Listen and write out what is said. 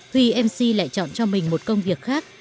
huy mc lại chọn cho mình một công việc khác